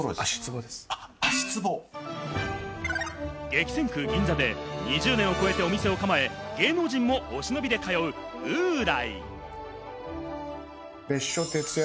激戦区・銀座で２０年を超えてお店を構え、芸能人もお忍びで通う烏来。